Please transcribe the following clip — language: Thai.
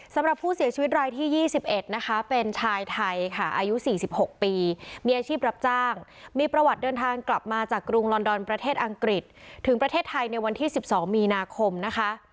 สำหรับผู้เสียชีวิตรายที่๒๑นะคะเป็นชายไทยค่ะอายุ๔๖ปีมีอาชีพรับจ้างมีประวัติเดินทางกลับมาจากกรุงลอนดอนประเทศอังกฤษถึงประเทศไทยในวันที่๑๒มีนาคมนะคะ